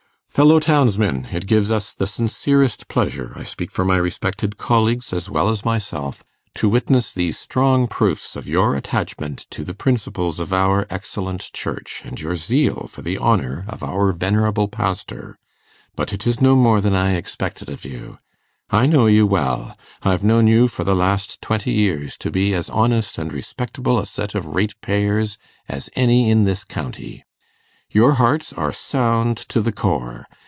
'Fellow townsmen! It gives us the sincerest pleasure I speak for my respected colleagues as well as myself to witness these strong proofs of your attachment to the principles of our excellent Church, and your zeal for the honour of our venerable pastor. But it is no more than I expected of you. I know you well. I've known you for the last twenty years to be as honest and respectable a set of ratepayers as any in this county. Your hearts are sound to the core!